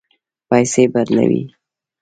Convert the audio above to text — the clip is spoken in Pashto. پیسې بدلوئ؟